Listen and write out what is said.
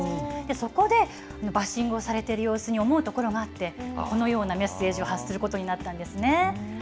そこでバッシングをされている様子に、思うところがあって、このようなメッセージを発することになったんですね。